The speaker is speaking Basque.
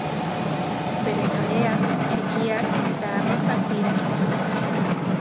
Bere loreak txikiak eta arrosak dira.